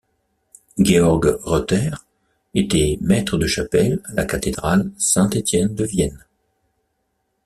Georg Reutter était maître de chapelle à la cathédrale Saint-Étienne de Vienne.